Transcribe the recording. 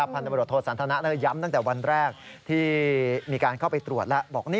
พรรณาบริ